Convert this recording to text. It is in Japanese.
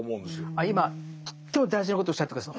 あ今とっても大事なことをおっしゃって下さった。